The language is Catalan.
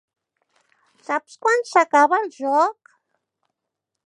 Saps quan s'acaba el joc?